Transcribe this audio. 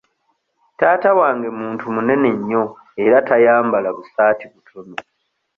Taata wange muntu munene nnyo era tayambala busaati butono.